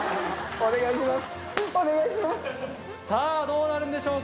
お願いします。